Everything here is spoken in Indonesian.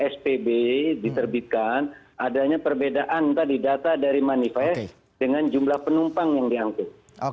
spb diterbitkan adanya perbedaan tadi data dari manifest dengan jumlah penumpang yang diangkut